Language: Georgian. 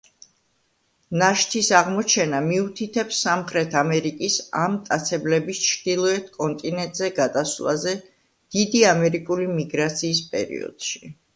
ნაშთის აღმოჩენა მიუთითებს სამხრეთ ამერიკის ამ მტაცებლების ჩრდილოეთ კონტინენტზე გადასვლაზე დიდი ამერიკული მიგრაციის პერიოდში.